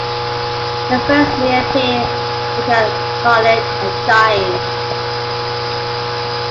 The verse may appear melancholic and "dying".